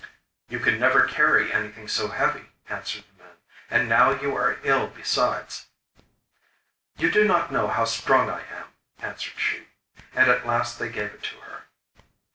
'You could never carry anything so heavy,' answered the men, 'and now you are ill besides.' 'You do not know how strong I am,' answered she. And at last they gave it her.